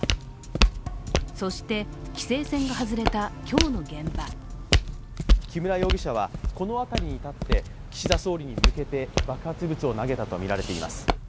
そして、規制線が外れた今日の現場木村容疑者はこの辺りに立って、岸田総理に向けて爆発物を投げたとみられています。